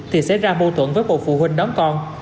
thì sẽ ra mâu thuẫn với bộ phụ huynh đón con